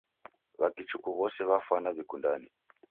W'akichuku w'ose w'afanwa w'ikundane